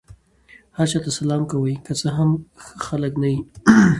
هر چا ته سلام کوئ! که څه هم ښه خلک نه يي.